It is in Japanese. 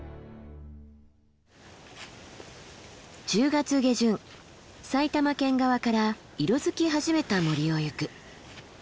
１０月下旬埼玉県側から色づき始めた森を行く。